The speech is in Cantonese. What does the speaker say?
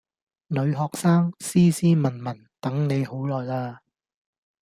女學生，斯斯文文，等你好耐喇